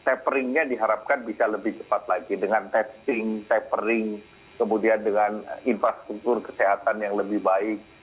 taperingnya diharapkan bisa lebih cepat lagi dengan testing tapering kemudian dengan infrastruktur kesehatan yang lebih baik